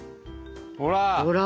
ほら！